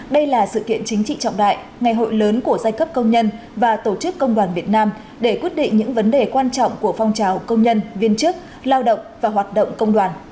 đây là sự kiện chính trị trọng đại ngày hội lớn của giai cấp công nhân và tổ chức công đoàn việt nam để quyết định những vấn đề quan trọng của phong trào công nhân viên chức lao động và hoạt động công đoàn